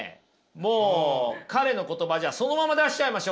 もう彼の言葉そのまま出しちゃいましょう。